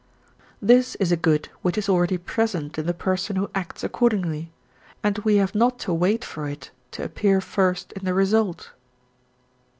This is a good which is already present in the person who acts accordingly, and we have not to wait for it to appear first in the result.